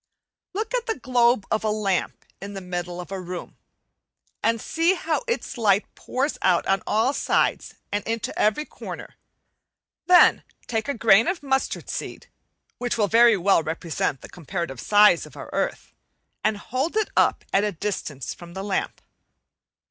Look at the globe of a lamp in the middle of the room, and see how its light pours out on all sides and into every corner; then take a grain of mustard seed, which will very well represent the comparative size of our earth, and hold it up at a distance from the lamp.